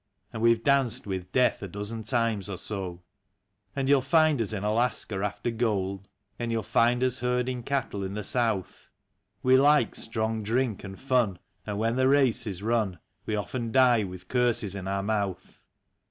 And we've danced with death a dozen times or so. And you'll find us in Alaska after gold, And you'll find us herding cattle in the South. We like strong drink and fun; and when the race is run. We often die with curses in our mouth.